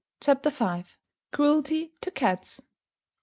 CHAPTER V. CRUELTY TO CATS.